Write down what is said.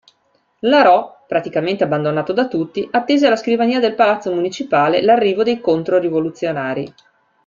L'Arò, praticamente abbandonato da tutti, attese alla scrivania del palazzo municipale l'arrivo dei controrivoluzionari.